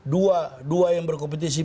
dua dua yang berkompetisi